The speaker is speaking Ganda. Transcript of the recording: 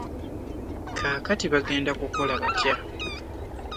Kaakati bagenda kukola batya?